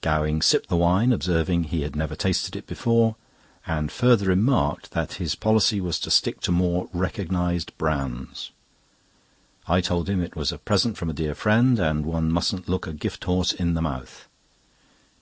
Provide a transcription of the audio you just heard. Gowing sipped the wine, observing that he had never tasted it before, and further remarked that his policy was to stick to more recognised brands. I told him it was a present from a dear friend, and one mustn't look a gift horse in the mouth.